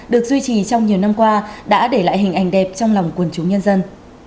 được duy trì trong nhiều năm qua đã để lại hình ảnh đẹp trong lòng quần chúng nhân dân